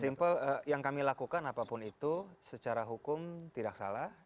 simple yang kami lakukan apapun itu secara hukum tidak salah